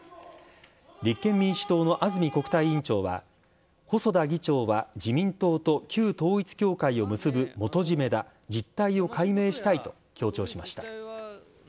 立憲民主党の安住国対委員長は、細田議長は自民党と旧統一教会を結ぶ元締めだ、実態を解明したいと強調しました。